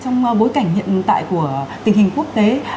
trong bối cảnh hiện tại của tình hình quốc tế